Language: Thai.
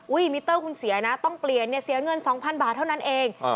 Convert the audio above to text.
มิเตอร์คุณเสียนะต้องเปลี่ยนเนี่ยเสียเงิน๒๐๐บาทเท่านั้นเอง